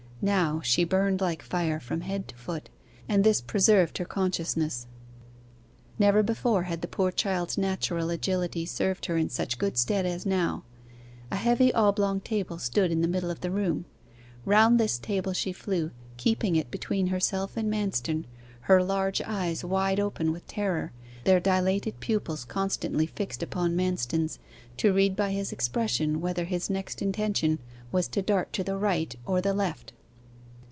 Now she burned like fire from head to foot, and this preserved her consciousness. Never before had the poor child's natural agility served her in such good stead as now. A heavy oblong table stood in the middle of the room. Round this table she flew, keeping it between herself and Manston, her large eyes wide open with terror, their dilated pupils constantly fixed upon Manston's, to read by his expression whether his next intention was to dart to the right or the left.